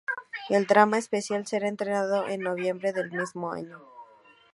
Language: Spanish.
El drama especial será estrenado en noviembre del mismo año.